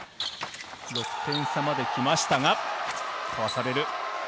６点差まで来ましたが、かわされる。